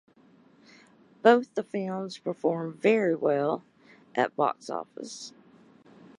Both the films performed very well at box office.